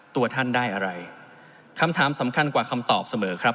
ตัวท่านได้อะไรคำถามสำคัญกว่าคำตอบเสมอครับ